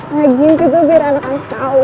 gagin juga biar anak anak tau